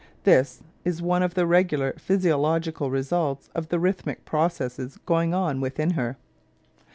(This is one of the regular physiological re sults of the rhythmic processes going on within her.)